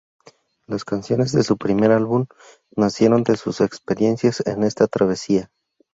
Las canciones de su primer álbum nacieron de sus experiencias en esta travesía.